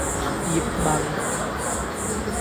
葉問